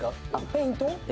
ペイント？